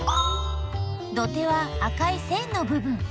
土手は赤い線のぶ分。